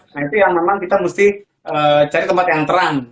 nah itu yang memang kita mesti cari tempat yang terang